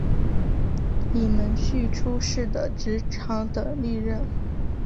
以荫叙出仕的直长等历任。